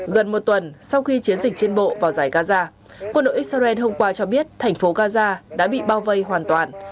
gần một tuần sau khi chiến dịch trên bộ vào giải gaza quân đội israel hôm qua cho biết thành phố gaza đã bị bao vây hoàn toàn